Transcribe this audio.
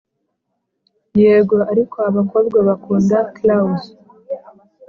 yego ariko abakobwa bakunda clows